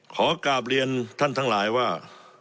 ขอกราบเรียนท่านทั้งหลายว่า